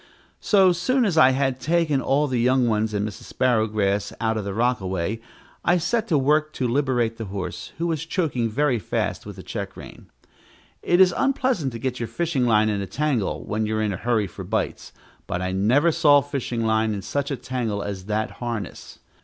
So soon as I had taken all the young ones and Mrs. Sparrowgrass out of the rockaway, I set to work to liberate the horse, who was choking very fast with the check rein. It is unpleasant to get your fishing line in a tangle when you are in a hurry for bites, but I never saw fishing line in such a tangle as that harness.